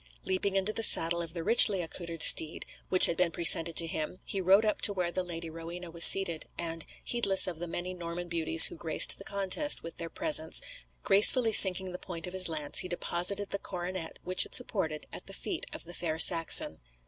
Leaping into the saddle of the richly accoutred steed which had been presented to him, he rode up to where the Lady Rowena was seated, and, heedless of the many Norman beauties who graced the contest with their presence, gracefully sinking the point of his lance he deposited the coronet which it supported at the feet of the fair Saxon.